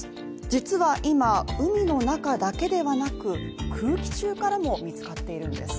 実は今、海の中だけではなく、空気中からも見つかっているんです。